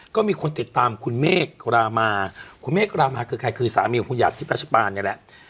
ก็มีคนติดตามคุณเมฆรามาคุณเมฆรามาคือใครคือสามีของคุณหัดที่รัชปานนี่แหละ